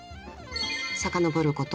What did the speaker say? ［さかのぼること